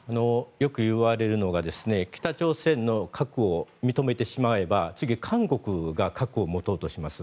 よくいわれるのが北朝鮮の核を認めてしまえば次は韓国が核を持とうとします。